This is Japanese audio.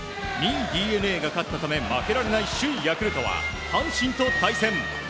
２位、ＤｅＮＡが勝ったため負けられない首位、ヤクルトは阪神と対戦。